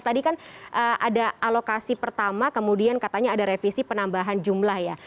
tadi kan ada alokasi pertama kemudian katanya ada revisi penambahan jumlah ya